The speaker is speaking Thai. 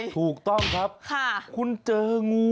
ถูกต้องครับคุณเจองูถูกต้องคุณเจองู